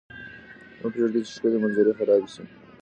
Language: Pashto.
مه پرېږدئ چې ښکلې منظرې خرابې شي.